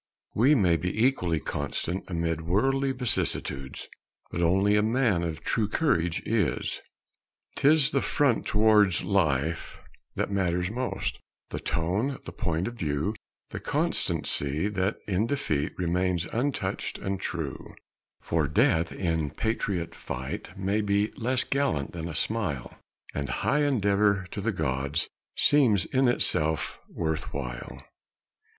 We may be equally constant amid worldly vicissitudes, but only a man of true courage is. 'Tis the front towards life that matters most The tone, the point of view, The constancy that in defeat Remains untouched and true; For death in patriot fight may be Less gallant than a smile, And high endeavor, to the gods, Seems in itself worth while!